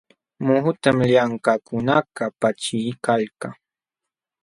Muhutam llamkaqkunakaq paćhiykalka.